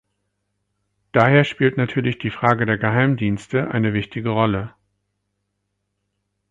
Daher spielt natürlich die Frage der Geheimdienste eine wichtige Rolle.